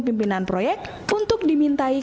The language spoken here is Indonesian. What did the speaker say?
pimpinan proyek untuk dimintai